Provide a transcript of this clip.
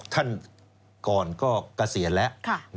ท่านก่อนก็กระเสียแล้ว